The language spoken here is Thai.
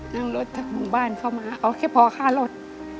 นั่งรถถึงบ้านเข้ามาเอาแค่พอค่ารถ